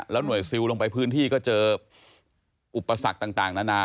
หน่วยซิลลงไปพื้นที่ก็เจออุปสรรคต่างนานา